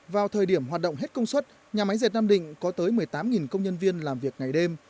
vào thời điểm hoạt động hết công suất nhà máy dệt nam định có tới một mươi tám công nhân viên làm việc ngày đêm